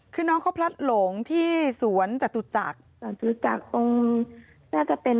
เขาพลัดหลงที่สวนจัตุจักร